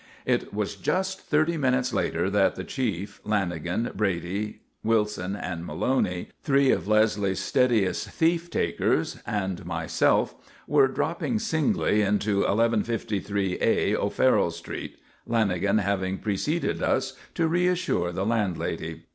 It was just thirty minutes later that the chief, Lanagan, Brady, Wilson, and Maloney three of Leslie's steadiest thief takers and myself were dropping singly into 1153A O'Farrell Street, Lanagan having preceded us to reassure the landlady.